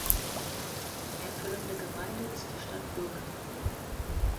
Erfüllende Gemeinde ist die Stadt Bürgel.